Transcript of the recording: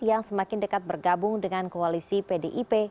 yang semakin dekat bergabung dengan koalisi pdip